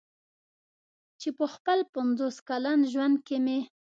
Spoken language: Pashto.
چې په خپل پنځوس کلن ژوند کې مې.